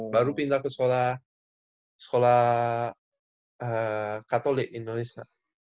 baru pindah ke sekolah katolik indonesia